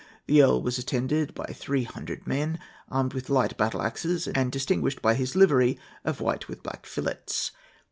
The earl was attended by three hundred men, armed with light battle axes, and distinguished by his livery of white with black fillets.